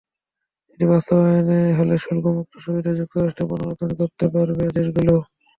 এটি বাস্তবায়ন হলে শুল্কমুক্ত সুবিধায় যুক্তরাষ্ট্রে পণ্য রপ্তানি করতে পারবে দেশগুলো।